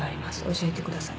教えてください。